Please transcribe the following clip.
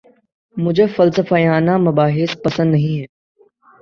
مجھے فلسفیانہ مباحث پسند نہیں ہیں